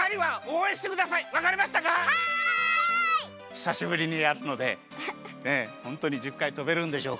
ひさしぶりにやるのでホントに１０かいとべるんでしょうか？